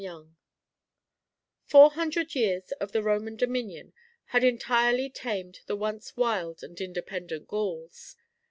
Yonge Four hundred years of the Roman dominion had entirely tamed the once wild and independent Gauls.